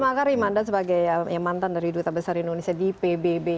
makari mandat sebagai mantan dari duta besar indonesia di pbb